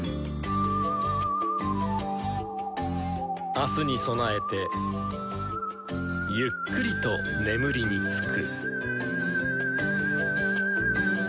明日に備えてゆっくりと眠りにつく。